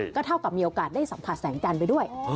ก็เท่ากับมีโอกาสได้สัมผัสแสงจันทร์ไปด้วย